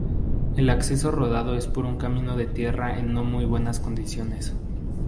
El acceso rodado es por un camino de tierra en no muy buenas condiciones.